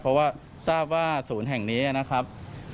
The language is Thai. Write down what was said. เพราะว่าทราบว่าศูนย์แห่งนี้นะครับ